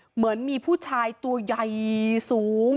เหมือนมีผู้ชายตัวใหญ่สูง